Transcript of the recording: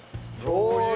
しょう油。